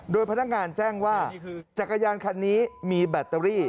โดยพนักงานแจ้งว่าจักรยานคันนี้มีแบตเตอรี่